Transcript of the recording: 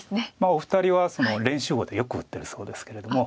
お二人は練習碁でよく打ってるそうですけれども。